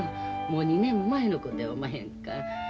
もう２年も前のことやおまへんか。